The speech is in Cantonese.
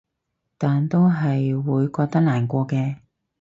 但都係會覺得難過嘅